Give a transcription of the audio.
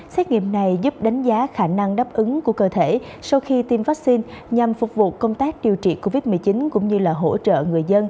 xét nghiệm này giúp đánh giá khả năng đáp ứng của cơ thể sau khi tiêm vaccine nhằm phục vụ công tác điều trị covid một mươi chín